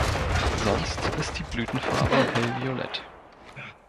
Sonst ist die Blütenfarbe hellviolett.